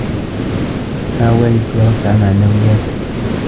حاولت رفع معنوياته.